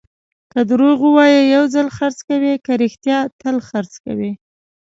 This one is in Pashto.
که دروغ ووایې، یو ځل خرڅ کوې؛ که رښتیا، تل خرڅ کوې.